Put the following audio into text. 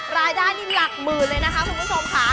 รายได้นี่หลักหมื่นเลยนะคะคุณผู้ชมค่ะ